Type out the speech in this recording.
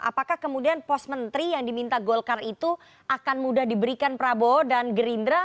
apakah kemudian pos menteri yang diminta golkar itu akan mudah diberikan prabowo dan gerindra